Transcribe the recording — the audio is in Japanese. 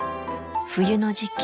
冬の時期